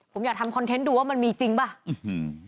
ผมอยากทำคอนเท้นต์ดูว่ามันมีจริงไหม